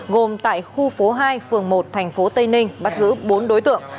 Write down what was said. gồm tại khu phố hai phường một thành phố tây ninh bắt giữ bốn đối tượng